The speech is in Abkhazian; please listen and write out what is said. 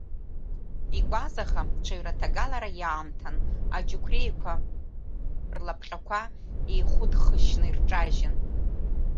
Икәазаха, ҽаҩраҭагалара иаамҭан, Аџьықәреиқәа рлапҟьақәа еихәыдхышьны ирҿажьын.